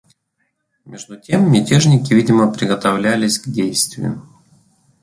Между тем мятежники, видимо, приготовлялись к действию.